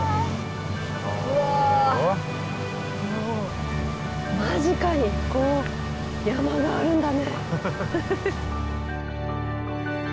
もう間近にこう山があるんだね。